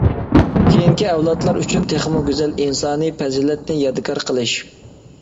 كېيىنكى ئەۋلادلار ئۈچۈن تېخىمۇ گۈزەل ئىنسانىي پەزىلەتنى يادىكار قىلىش.